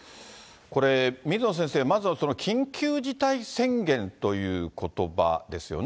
これ水野先生、まずは緊急事態宣言ということばですよね。